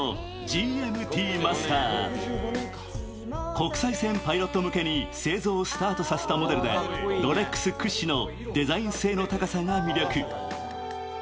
国際線パイロット向けに製造をスタートさせたモデルでロレックス屈指のデザイン性の高さが魅力。